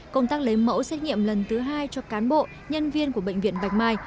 công tác lấy mẫu xét nghiệm lần thứ hai cho cán bộ nhân viên của bệnh viện bạch mai